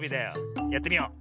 やってみよう。